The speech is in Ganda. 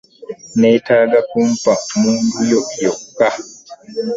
Nneetaaga kumpa mmundu yo yokka.